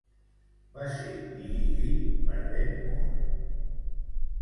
Va ser dirigit per Ben Mor.